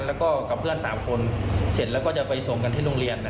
แล้วก็กับเพื่อน๓คนเสร็จแล้วก็จะไปส่งกันที่โรงเรียน